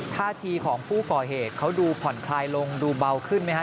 ท่าทีของผู้ก่อเหตุเขาดูผ่อนคลายลงดูเบาขึ้นไหมครับ